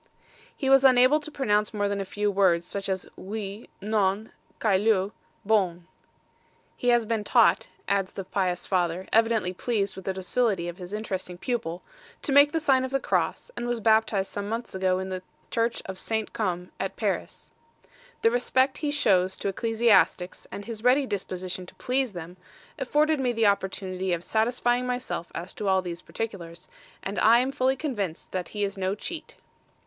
He was unable to pronounce more than a few words, such as Oui, Non, Caillou, Bon. "He has been taught," adds the pious father, evidently pleased with the docility of his interesting pupil, "to make the sign of the cross, and was baptized some months ago in the church of St. Come, at Paris. THE RESPECT HE SHOWS TO ECCLESIASTICS AND HIS READY DISPOSITION TO PLEASE THEM, afforded me the opportunity of satisfying myself as to all these particulars; and I AM FULLY CONVINCED THAT HE IS NO CHEAT."